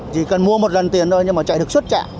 chỉ cần mua một lần tiền thôi nhưng mà chạy được suốt trạm